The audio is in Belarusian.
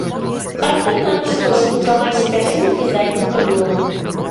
Характэрна аднолькавае жылкаванне пярэдніх і задніх крылаў.